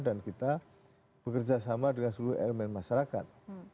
dan kita bekerja sama dengan seluruh elemen masyarakat